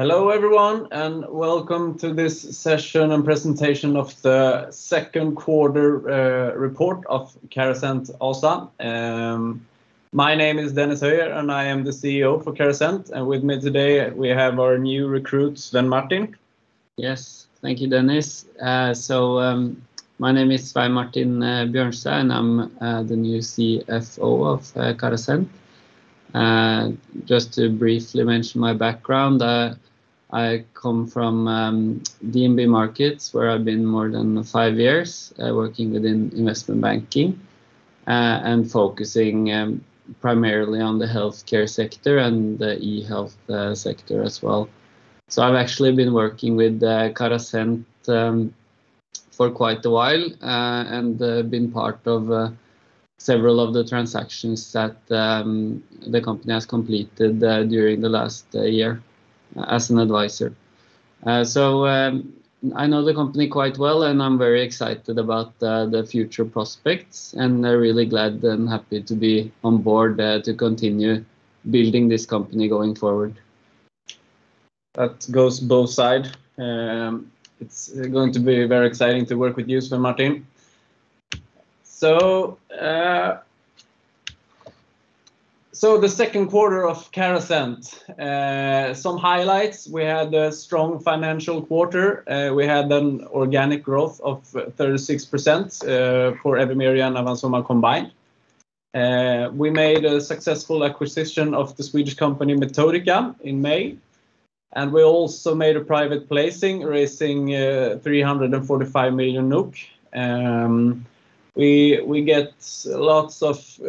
Hello, everyone, and welcome to this session and presentation of the second quarter report of Carasent ASA. My name is Dennis Höjer, and I am the CEO for Carasent. With me today, we have our new recruit, Svein Martin. Yes. Thank you, Dennis. My name is Svein Martin Bjørnstad, and I'm the new CFO of Carasent. Just to briefly mention my background, I come from DNB Markets, where I've been more than five years, working within investment banking, and focusing primarily on the healthcare sector and the e-health sector as well. I've actually been working with Carasent for quite a while, and been part of several of the transactions that the company has completed during the last year as an advisor. I know the company quite well, and I'm very excited about the future prospects, and really glad and happy to be on board to continue building this company going forward. That goes both side. It's going to be very exciting to work with you, Svein Martin. The second quarter of Carasent. Some highlights, we had a strong financial quarter. We had an organic growth of 36% for Evimeria and Avans Soma combined. We made a successful acquisition of the Swedish company, Metodika, in May, and we also made a private placing, raising 345 million NOK. We get lots of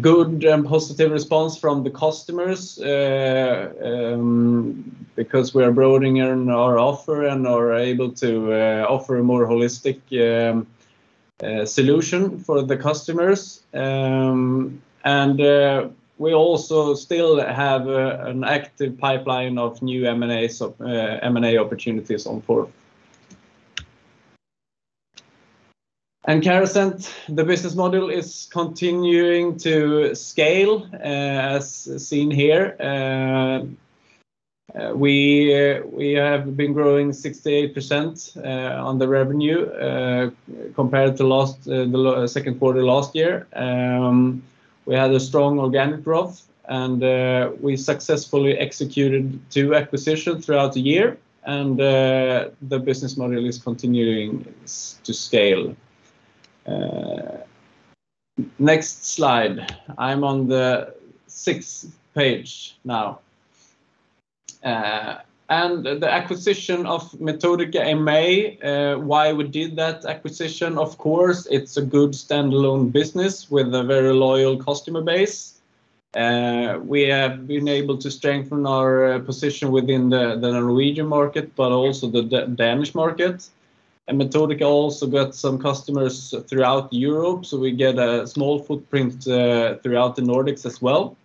good and positive response from the customers because we're broadening our offer and are able to offer a more holistic solution for the customers. We also still have an active pipeline of new M&A opportunities on board. Carasent, the business model is continuing to scale, as seen here. We have been growing 68% on the revenue compared to the second quarter last year. We had a strong organic growth. We successfully executed two acquisitions throughout the year. The business model is continuing to scale. Next slide. I'm on the sixth page now. The acquisition of Metodika in May, why we did that acquisition, of course, it's a good standalone business with a very loyal customer base. We have been able to strengthen our position within the Norwegian market, but also the Danish market. Metodika also got some customers throughout Europe, so we get a small footprint throughout the Nordics as well.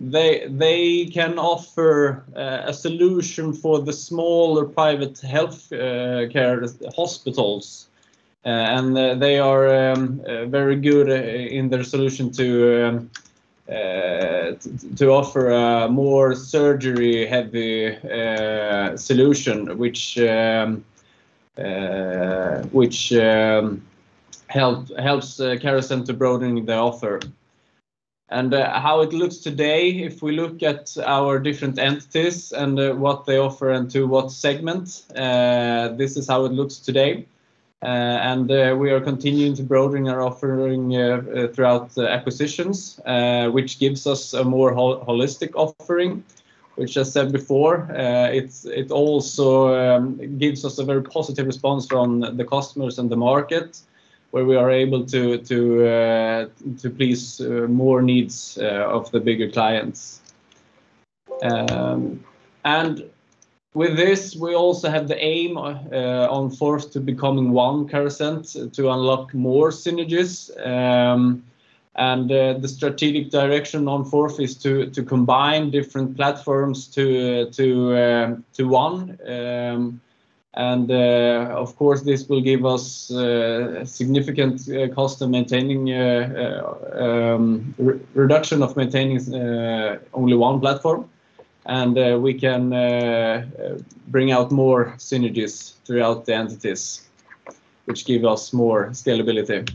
They can offer a solution for the smaller private healthcare hospitals. They are very good in their solution to offer a more surgery-heavy solution, which helps Carasent to broaden the offer. How it looks today, if we look at our different entities and what they offer and to what segment, this is how it looks today. We are continuing to broaden our offering throughout acquisitions, which gives us a more holistic offering, which I said before. It also gives us a very positive response from the customers and the market, where we are able to please more needs of the bigger clients. With this, we also have the aim on fourth to becoming one Carasent to unlock more synergies. The strategic direction on fourth is to combine different platforms to one. Of course, this will give us a significant cost reduction of maintaining only one platform. We can bring out more synergies throughout the entities, which give us more scalability.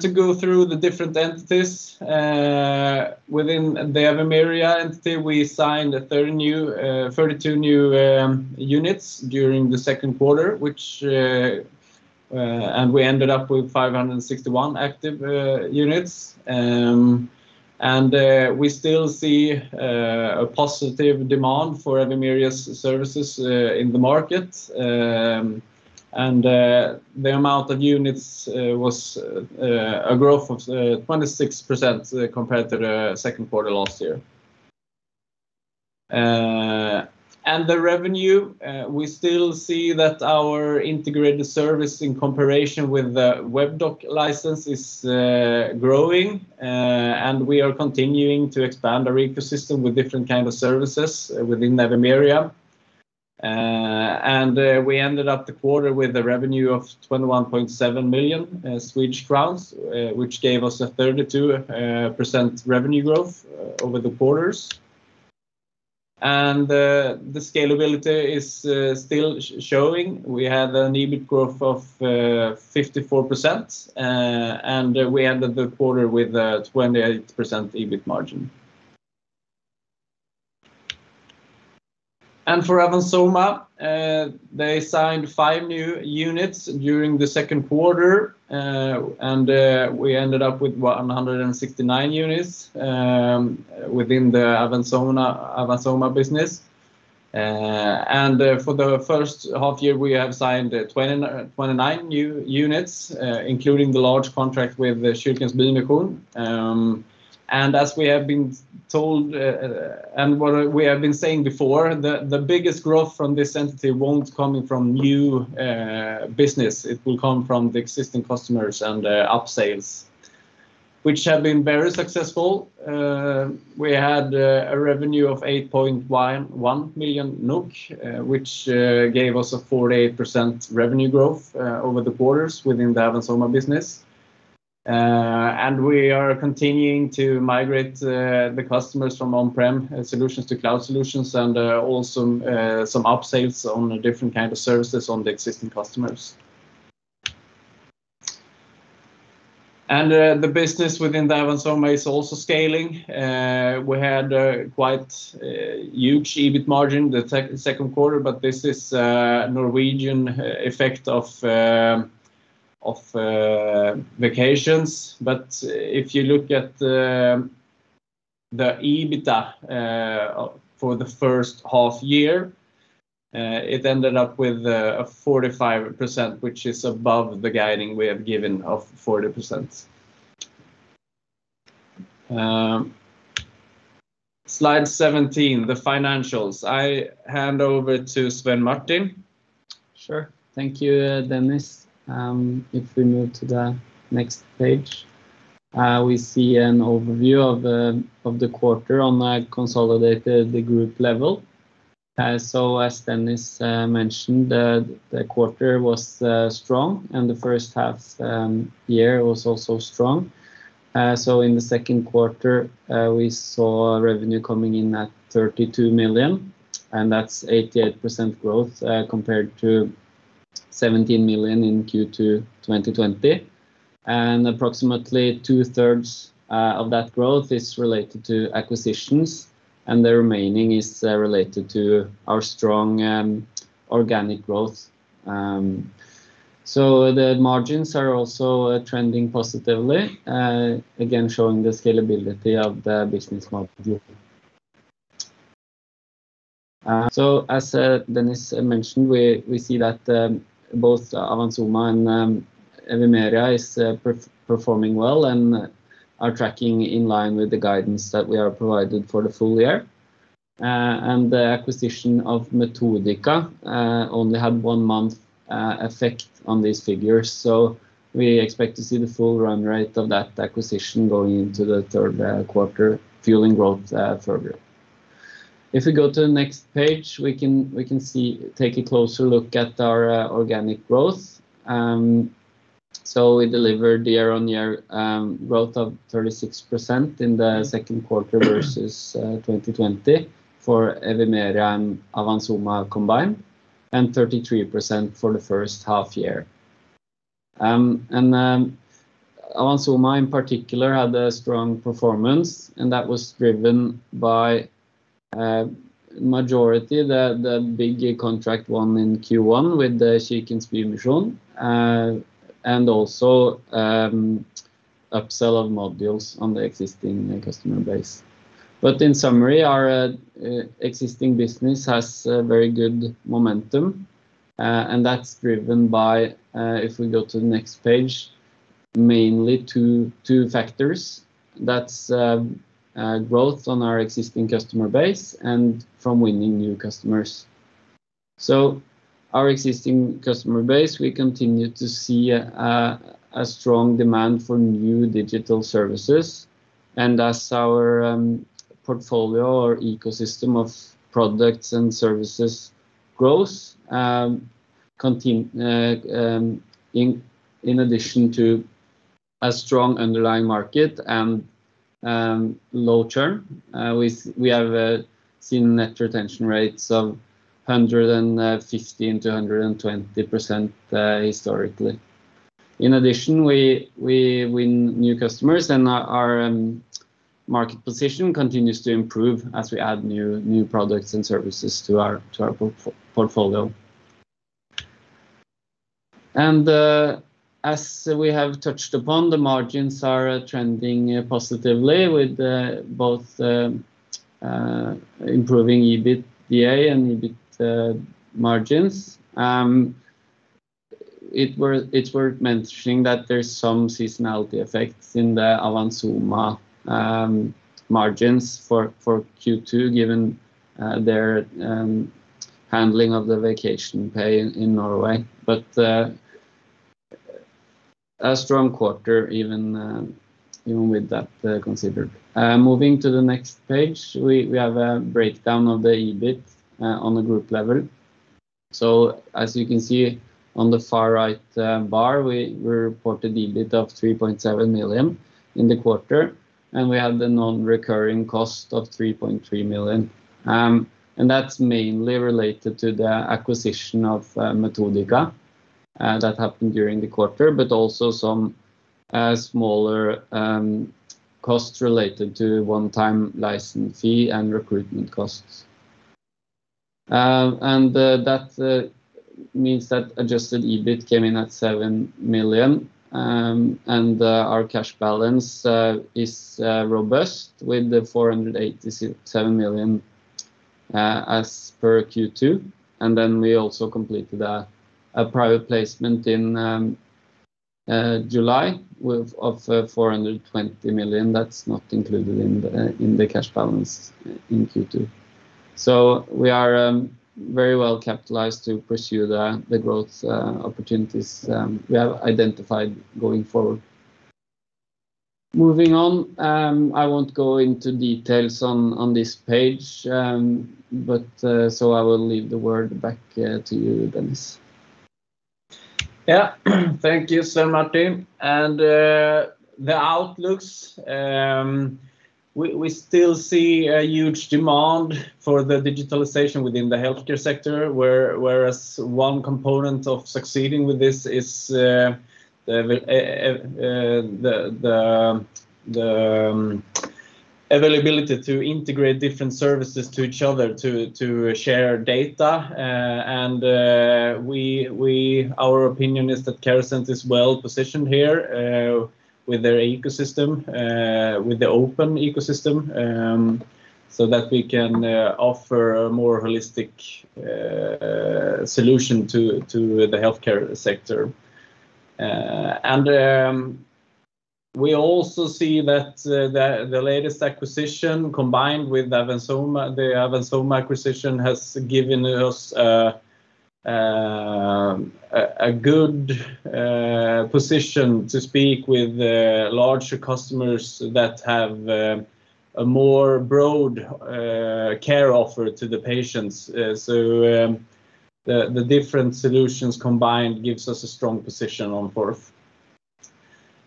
To go through the different entities. Within the Evimeria entity, we signed 32 new units during the second quarter, we ended up with 561 active units. We still see a positive demand for Evimeria's services in the market. The amount of units was a growth of 26% compared to the second quarter last year. The revenue, we still see that our integrated service in comparison with the Webdoc license is growing, and we are continuing to expand our ecosystem with different kind of services within Evimeria. We ended up the quarter with a revenue of 21.7 million Swedish crowns, which gave us a 32% revenue growth over the quarters. The scalability is still showing. We had an EBIT growth of 54%, and we ended the quarter with a 28% EBIT margin. For Avans Soma, they signed five new units during the second quarter, and we ended up with 169 units within the Avans Soma business. For the first half year, we have signed 29 new units, including the large contract with Västra Götalandsregionen. As we have been saying before, the biggest growth from this entity won't come from new business, it will come from the existing customers and upsells, which have been very successful. We had a revenue of 8.1 million NOK, which gave us a 48% revenue growth over the quarters within the Avans Soma business. We are continuing to migrate the customers from on-prem solutions to cloud solutions and also some upsells on different kind of services on the existing customers. The business within the Avans Soma is also scaling. We had a quite huge EBIT margin the second quarter, but this is a Norwegian effect of vacations. If you look at the EBITDA for the first half year, it ended up with a 45%, which is above the guiding we have given of 40%. Slide 17, the financials. I hand over to Svein Martin. Sure. Thank you, Dennis. If we move to the next page, we see an overview of the quarter on a consolidated group level. As Dennis mentioned, the quarter was strong and the first half year was also strong. In the second quarter, we saw revenue coming in at 32 million, and that's 88% growth compared to 17 million in Q2 2020. Approximately 2/3 of that growth is related to acquisitions, and the remaining is related to our strong organic growth. The margins are also trending positively, again, showing the scalability of the business model. As Dennis mentioned, we see that both Avans Soma and Evimeria is performing well and are tracking in line with the guidance that we have provided for the full year. The acquisition of Metodika only had a one-month effect on these figures. We expect to see the full run rate of that acquisition going into the third quarter, fueling growth further. If we go to the next page, we can take a closer look at our organic growth. We delivered a year-over-year growth of 36% in the second quarter versus 2020 for Evimeria and Avans Soma combined, and 33% for the first half year. Avans Soma, in particular, had a strong performance, and that was driven by majority, the big contract won in Q1 with the Västra Götalandsregionen and also upsell of modules on the existing customer base. In summary, our existing business has very good momentum, and that's driven by, if we go to the next page, mainly two factors. That's growth on our existing customer base and from winning new customers. Our existing customer base, we continue to see a strong demand for new digital services. As our portfolio or ecosystem of products and services grows, in addition to a strong underlying market and low churn, we have seen net retention rates of 115%-120% historically. In addition, we win new customers, and our market position continues to improve as we add new products and services to our portfolio. As we have touched upon, the margins are trending positively with both improving EBITDA and EBIT margins. It's worth mentioning that there's some seasonality effects in the Avans Soma margins for Q2, given their handling of the vacation pay in Norway. A strong quarter even with that considered. Moving to the next page, we have a breakdown of the EBIT on the group level. As you can see on the far right bar, we reported EBIT of 3.7 million in the quarter, and we had the non-recurring cost of 3.3 million. That's mainly related to the acquisition of Metodika that happened during the quarter, but also some smaller costs related to one-time license fee and recruitment costs. That means that adjusted EBIT came in at 7 million. Our cash balance is robust with 487 million as per Q2. We also completed a private placement in July of 420 million. That's not included in the cash balance in Q2. We are very well capitalized to pursue the growth opportunities we have identified going forward. Moving on, I won't go into details on this page. I will leave the word back to you, Dennis. Yeah. Thank you, Svein Martin. The outlooks, we still see a huge demand for the digitalization within the healthcare sector, whereas one component of succeeding with this is the availability to integrate different services to each other to share data. Our opinion is that Carasent is well-positioned here with their ecosystem, with the open ecosystem, so that we can offer a more holistic solution to the healthcare sector. We also see that the latest acquisition combined with the Avans Soma acquisition has given us a good position to speak with larger customers that have a more broad care offer to the patients. The different solutions combined gives us a strong position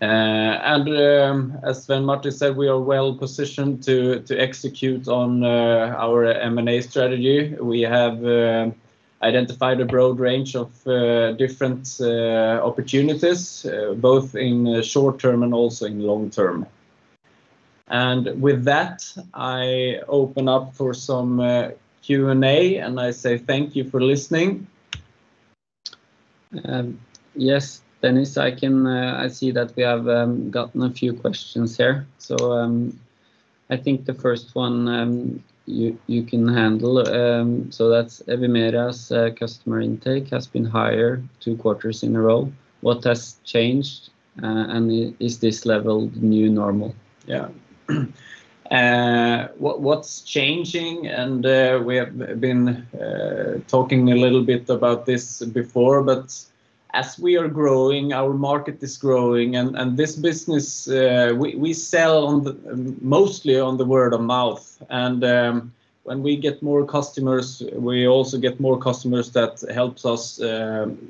onwards. As Svein Martin said, we are well-positioned to execute on our M&A strategy. We have identified a broad range of different opportunities, both in short-term and also in long-term. With that, I open up for some Q&A, and I say thank you for listening. Yes, Dennis, I see that we have gotten a few questions here. I think the first one you can handle. That's, Evimeria's customer intake has been higher two quarters in a row. What has changed, and is this level new normal? Yeah. What's changing, and we have been talking a little bit about this before, but as we are growing, our market is growing, and this business, we sell mostly on the word of mouth. When we get more customers, we also get more customers that helps us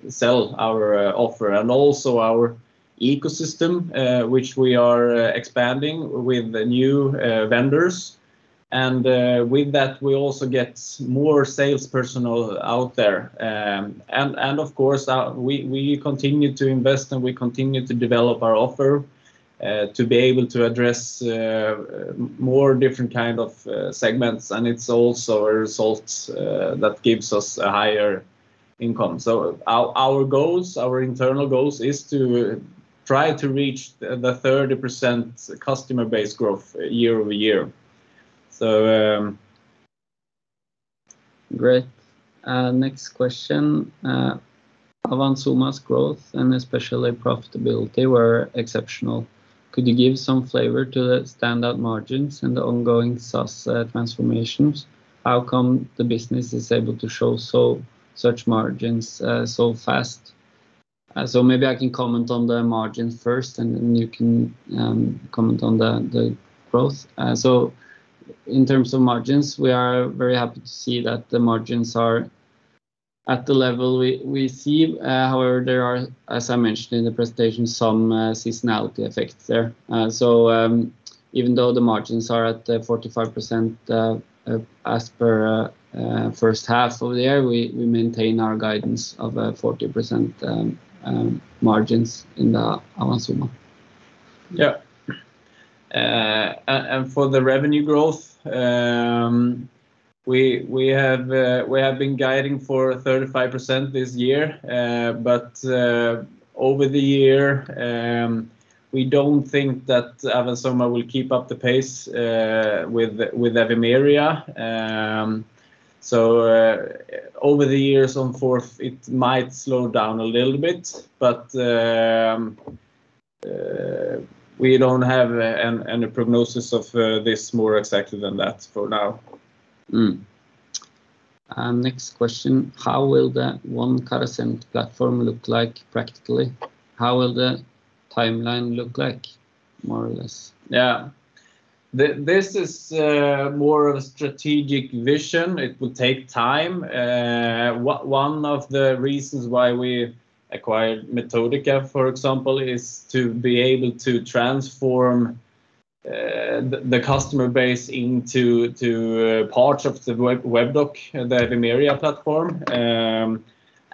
sell our offer. Also our ecosystem, which we are expanding with new vendors. With that, we also get more sales personnel out there. Of course, we continue to invest, and we continue to develop our offer to be able to address more different kind of segments, and it's also our results that gives us a higher income. Our internal goals is to try to reach the 30% customer base growth year-over-year. Great. Next question. Avans Soma's growth and especially profitability were exceptional. Could you give some flavor to the standout margins and the ongoing SaaS transformations? How come the business is able to show such margins so fast? Maybe I can comment on the margin first, and then you can comment on the growth. In terms of margins, we are very happy to see that the margins are at the level we see. However, there are, as I mentioned in the presentation, some seasonality effects there. Even though the margins are at 45% as per first half of the year, we maintain our guidance of 40% margins in the Avans Soma. Yeah. For the revenue growth, we have been guiding for 35% this year. Over the year, we don't think that Avans Soma will keep up the pace with Evimeria. Over the years on fourth, it might slow down a little bit, but we don't have any prognosis of this more exactly than that for now. Next question, how will the One Carasent platform look like practically? How will the timeline look like, more or less? Yeah. This is more of a strategic vision. It will take time. One of the reasons why we acquired Metodika, for example, is to be able to transform the customer base into parts of the Webdoc, the Evimeria platform,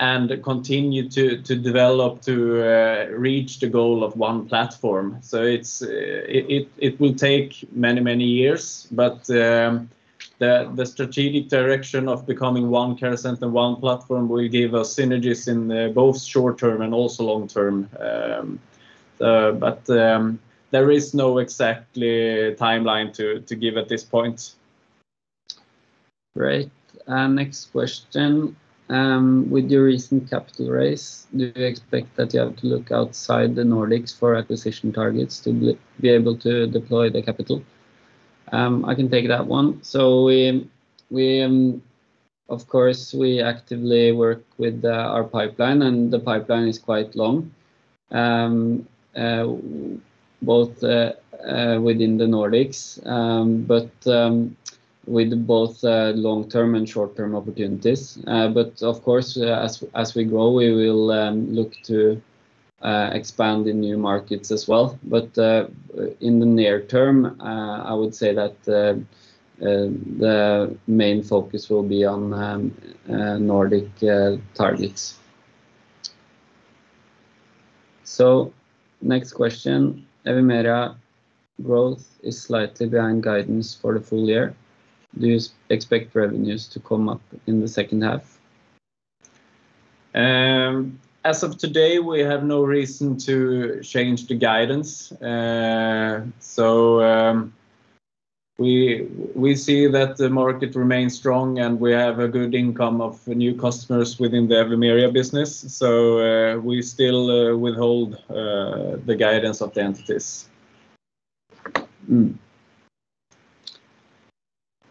and continue to develop to reach the goal of one platform. It will take many years, but the strategic direction of becoming one Carasent and one platform will give us synergies in both short-term and also long-term. There is no exact timeline to give at this point. Great. Next question. With your recent capital raise, do you expect that you have to look outside the Nordics for acquisition targets to be able to deploy the capital? I can take that one. Of course, we actively work with our pipeline, and the pipeline is quite long, both within the Nordics, but with both long-term and short-term opportunities. Of course, as we grow, we will look to expand in new markets as well. In the near term, I would say that the main focus will be on Nordic targets. Next question. Evimeria growth is slightly behind guidance for the full year. Do you expect revenues to come up in the second half? As of today, we have no reason to change the guidance. We see that the market remains strong, and we have a good income of new customers within the Evimeria business. We still withhold the guidance of the entities.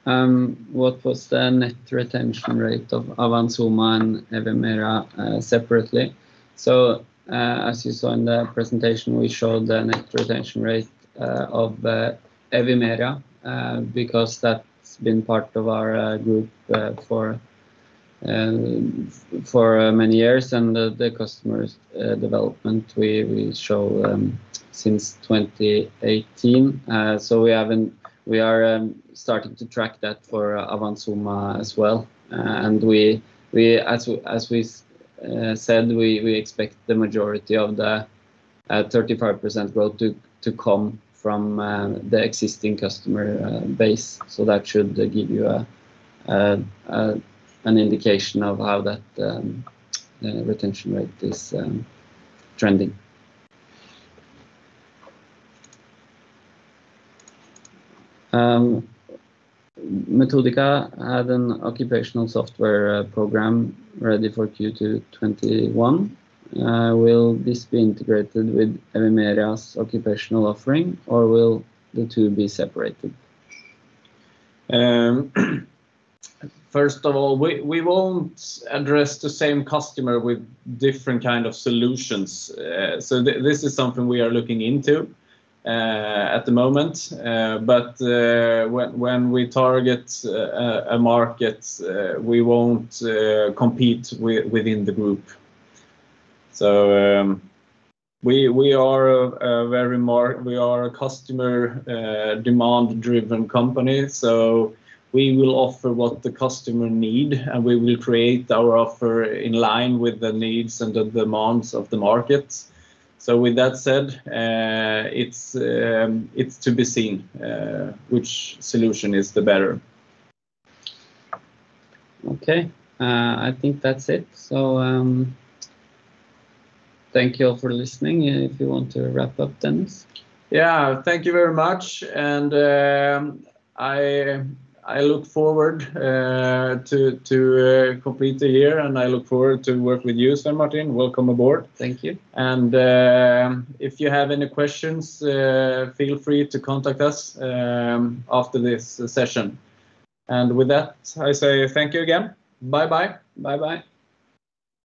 What was the net retention rate of Avans Soma and Evimeria separately? As you saw in the presentation, we showed the net retention rate of Evimeria, because that's been part of our group for many years, and the customers' development, we show since 2018. We are starting to track that for Avans Soma as well. As we said, we expect the majority of the 35% growth to come from the existing customer base. That should give you an indication of how that retention rate is trending. Metodika had an occupational software program ready for Q2 2021. Will this be integrated with Evimeria's occupational offering, or will the two be separated? First of all, we won't address the same customer with different kind of solutions. This is something we are looking into at the moment. When we target a market, we won't compete within the group. We are a customer demand-driven company, so we will offer what the customer need, and we will create our offer in line with the needs and the demands of the market. With that said, it's to be seen which solution is the better. Okay. I think that's it. Thank you all for listening, and if you want to wrap up, Dennis. Yeah. Thank you very much. I look forward to complete the year, and I look forward to work with you, Svein Martin. Welcome aboard. Thank you. If you have any questions, feel free to contact us after this session. With that, I say thank you again. Bye bye. Bye bye.